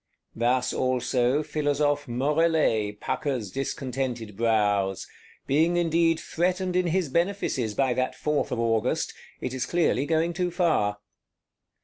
Thus also Philosophe Morellet puckers discontented brows; being indeed threatened in his benefices by that Fourth of August: it is clearly going too far.